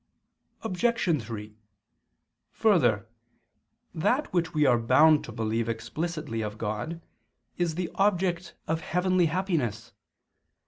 Obj. 3: Further, that which we are bound to believe explicitly of God is the object of heavenly happiness.